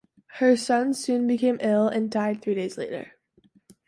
Her son soon became ill and died three days later.